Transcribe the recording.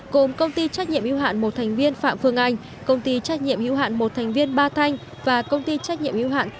gồm công ty trách nhiệm hữu hạn một thành viên phạm phương anh